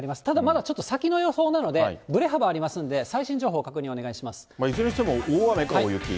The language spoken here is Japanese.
ただまだちょっと先の予報なので、ぶれ幅ありますので、最新情報確いずれにしても大雨か大雪。